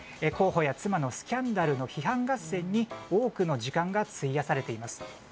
候補や妻のスキャンダルの批判合戦に多くの時間が費やされています。